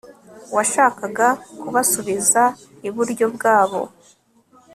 Washakaga kubasubiza iburyo bwabo